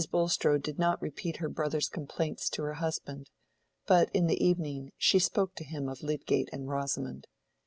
Bulstrode did not repeat her brother's complaints to her husband, but in the evening she spoke to him of Lydgate and Rosamond.